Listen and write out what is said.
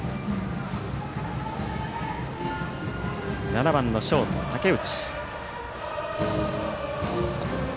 ７番のショート、竹内。